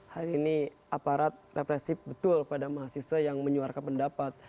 hari ini aparat represif betul pada mahasiswa yang menyuarakan pendapat